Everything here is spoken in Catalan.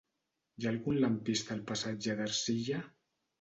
Hi ha algun lampista al passatge d'Ercilla?